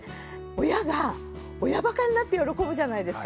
親が親バカになって喜ぶじゃないですか。